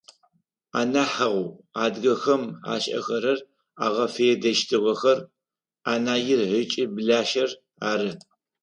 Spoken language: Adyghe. Анахьэу адыгэхэм ашӏэхэрэр, агъэфедэщтыгъэхэр анаир ыкӏи блащэр ары.